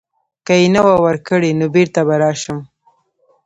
که یې نه وه ورکړې نو بیرته به راشم.